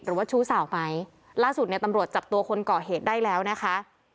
หรือว่าชู้สาวไหมล่าสุดเนี่ยตำรวจจับตัวคนก่อเหตุได้แล้วนะคะ